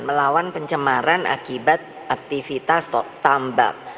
melawan pencemaran akibat aktivitas tambak